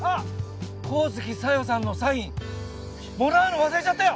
神月沙代さんのサインもらうの忘れちゃったよ！